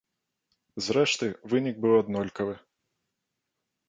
Зрэшты, вынік быў аднолькавы.